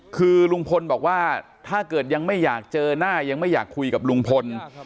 คือลุงพลบอกว่าถ้าเกิดยังไม่อยากเจอหน้ายังไม่อยากคุยกับลุงพล